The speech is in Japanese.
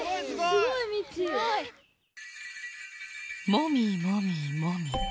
もみもみもみ。